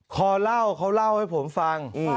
คอเล่าเขาเล่าให้ผมฟัง